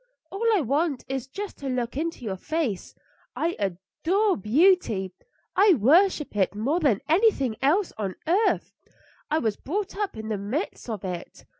"All I want is just to look into your face. I adore beauty; I worship it more than anything else on earth. I was brought up in the midst of it.